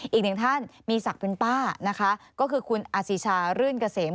อีกหนึ่งท่านมีศักดิ์เป็นป้านะคะก็คือคุณอสิชารื่นเกษม